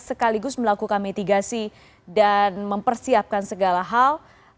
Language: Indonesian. sekaligus melakukan mitigasi dan mempersiapkan segala hal